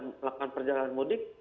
melakukan perjalanan mudik